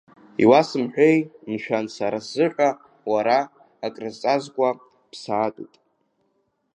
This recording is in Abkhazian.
Иуасымҳәеи, мшәан, сара сзыҳәа уара акрызҵазкуа ԥсаатәуп!